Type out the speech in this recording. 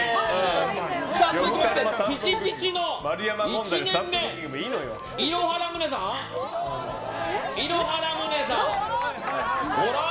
続きまして、ピチピチの１年目のいろはラムネさん。